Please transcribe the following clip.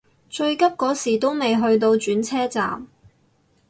最急嗰時都未去到轉車站